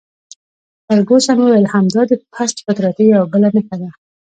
فرګوسن وویل: همدا دي د پست فطرتۍ یوه بله نښه ده.